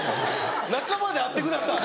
仲間であってください。